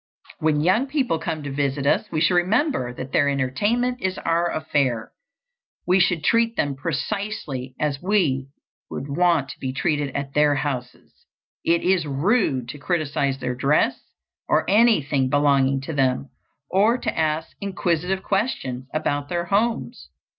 When young people come to visit us we should remember that their entertainment is our affair. We should treat them precisely as we would want to be treated at their houses. It is rude to criticise their dress or anything belonging to them, or to ask inquisitive questions about their homes.